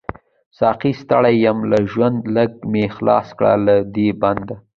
ساقۍ ستړی يم له ژونده، ليږ می خلاص کړه له دی بنده